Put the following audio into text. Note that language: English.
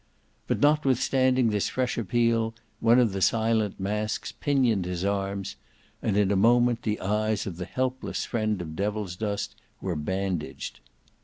But, notwithstanding this fresh appeal, one of the silent masks pinioned his arms; and in a moment the eyes of the helpless friend of Devilsdust were bandaged.